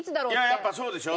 やっぱそうでしょ？